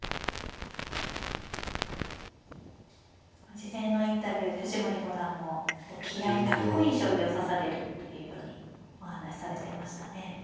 事前のインタビューで藤森五段も気合いかっこいい将棋を指されるというようにお話しされてましたね。